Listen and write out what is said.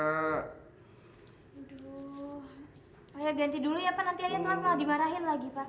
aduh ayah ganti dulu ya pak nanti ayah telat telat dimarahin lagi pak